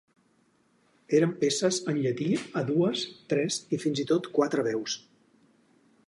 Eren peces en llatí a dues, tres i fins i tot quatre veus.